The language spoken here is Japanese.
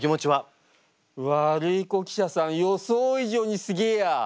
ワルイコ記者さん予想以上にすげえや！